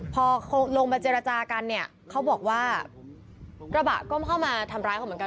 พอลงมาเจรจากันเนี่ยเขาบอกว่ากระบะก็เข้ามาทำร้ายเขาเหมือนกัน